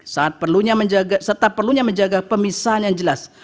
serta perlunya menjaga pemisahan yang jelas